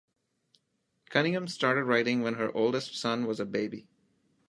Cunningham started writing when her oldest son was a baby.